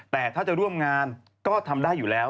แต่ถ้าจะร่วมงานก็ทำได้อยู่แล้ว